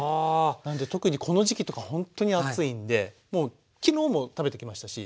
なんで特にこの時期とかほんっとに暑いんでもう昨日も食べてきましたし。